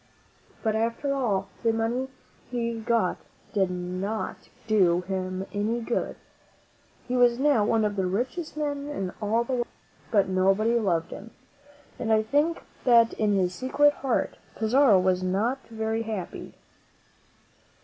But after all, the money he got did not do him any good. He was now one of the richest men in all the world. But nobody loved him, and I think that in his secret heart Pizarro was not very happy.